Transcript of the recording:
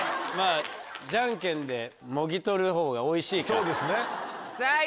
まぁじゃんけんでもぎ取るほうがおいしいから。